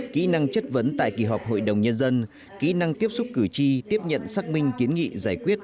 kỹ năng chất vấn tại kỳ họp hội đồng nhân dân kỹ năng tiếp xúc cử tri tiếp nhận xác minh kiến nghị giải quyết